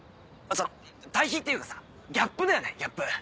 対比っていうかさギャップだよねギャップ。